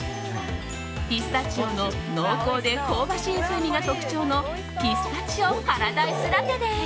ピスタチオの濃厚で香ばしい風味が特徴のピスタチオパラダイスラテです。